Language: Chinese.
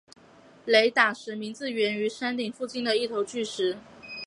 雷打石名字源于山顶附近的一头巨石。